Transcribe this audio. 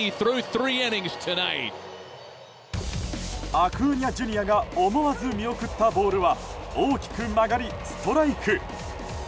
アクーニャＪｒ．が思わず見送ったボールは大きく曲がり、ストライク！